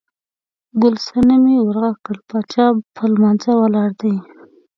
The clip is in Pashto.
ګل صنمې ور غږ کړل، باچا په لمانځه ولاړ دی.